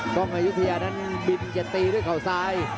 กองอยุธยานั้นบินเกียจตีด้วยเขาซ้าย